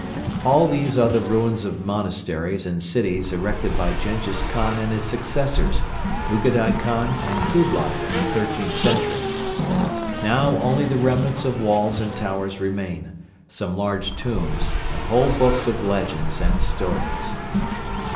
All these are the ruins of monasteries and cities erected by Jenghiz Khan and his successors, Ugadai Khan and Kublai in the thirteenth century. Now only the remnants of walls and towers remain, some large tombs and whole books of legends and stories.